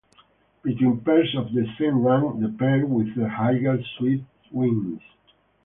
Between pairs of the same rank, the pair with the higher suit wins.